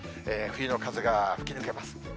冬の風が吹き抜けます。